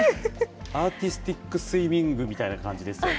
アーティスティックスイミングみたいな感じですよね。